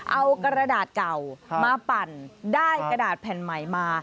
เอากระดาษเก่ามาปั่นได้กระดาษแผ่นใหม่มา